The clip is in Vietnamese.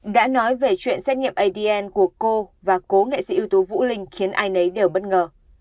đã nói về chuyện xét nghiệm adn của cô và cố nghệ sĩ ưu tú vũ linh khiến ai nấy đều bất ngờ